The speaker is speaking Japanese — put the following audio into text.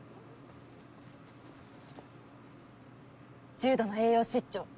重度の栄養失調。